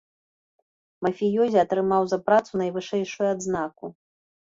Мафіёзі атрымаў за працу найвышэйшую адзнаку.